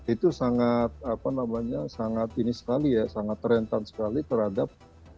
itu sangat ini sekali ya sangat terentang sekali terhadap